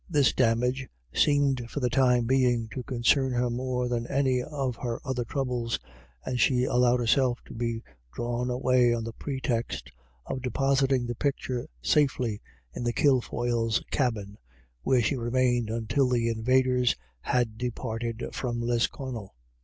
This damage seemed for the time being to con cern her more than any of her other troubles, and she allowed herself to be drawn away on the pretext of depositing the picture safely in the Kilfoyles' cabin, where she remained until the invaders had departed from Lisconnel.